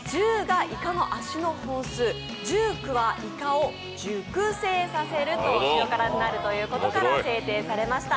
１０がいかの足の本数、１９はいかを熟成すると塩辛になるということから制定されました。